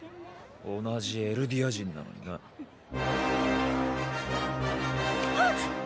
同じエルディア人なのにな。わっ！！